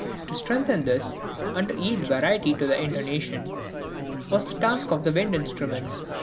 To strengthen this, and to give variety to the intonation, was the task of the wind instruments.